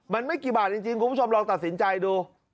มันไม่กี่บาทจริงคุณผู้ชมลองตัดสินใจดู